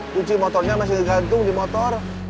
kunci motornya masih tergantung di motor